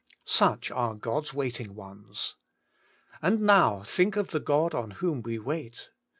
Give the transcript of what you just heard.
Such are God's waiting ones. And now, think of the God on whom we wait.